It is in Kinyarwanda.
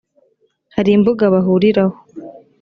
hari imbuga bahuriraho .